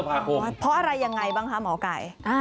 เพราะอะไรยังไงบ้างคะหมอไก่